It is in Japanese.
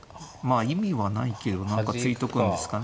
あ意味はないけど何か突いとくんですかね。